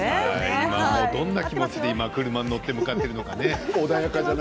今どんな気持ちで車に乗って向かっているのかな。